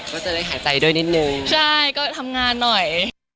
ก็จะได้หายใจด้วยนิดนึงใช่ก็ทำงานหน่อย